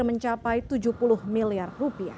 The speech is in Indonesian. mencapai rp tujuh puluh miliar